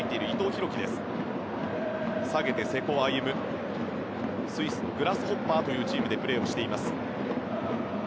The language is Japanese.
瀬古歩夢はスイス・グラスホッパーというチームでプレーをしています。